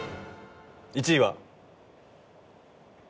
１位は。